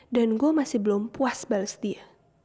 dan gue masih belum puas bales dia